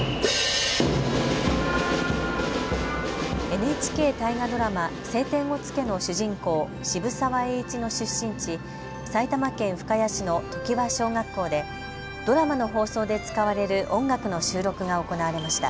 ＮＨＫ大河ドラマ、青天を衝けの主人公、渋沢栄一の出身地、埼玉県深谷市の常盤小学校でドラマの放送で使われる音楽の収録が行われました。